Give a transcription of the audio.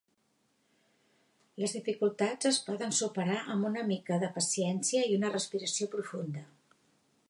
Les dificultats es poden superar amb una mica de paciència i una respiració profunda.